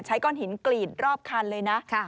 ใช้ก้อนหินกรีดรอบคันเลยนะ